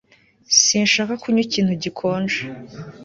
Sinshaka kunywa ikintu gikonje